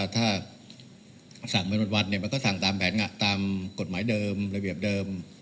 ถ้าสั่งเมืองบรรวัตน์เนี่ยมันก็สั่งตามแผนตามกฎหมายเดิมระเบียบเดิม